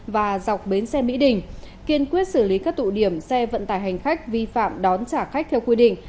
và dọc bến xe mỹ đình kiên quyết xử lý các tụ điểm xe vận tải hành khách vi phạm đón trả khách theo quy định